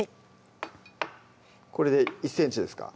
１ｃｍこれで１ｃｍですか？